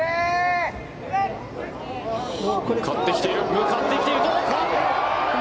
向かってきている、どうか！